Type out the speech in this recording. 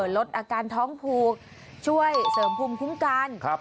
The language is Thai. ลดอาการท้องผูกช่วยเสริมภูมิคุ้มกัน